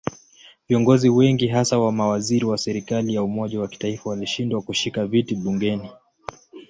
Viongozi wengi hasa mawaziri wa serikali ya umoja wa kitaifa walishindwa kushika viti bungeni.